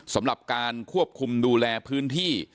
สำหรับการควบคุมดูแลพื้นที่